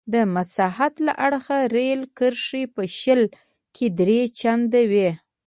د مساحت له اړخه رېل کرښې په شل کې درې چنده وې.